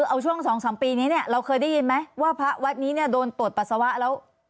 เอาช่วง๒๓ปีนี้เนี่ยเราเคยได้ยินไหมว่าพระวัดนี้เนี่ยโดนตรวจปัสสาวะแล้ว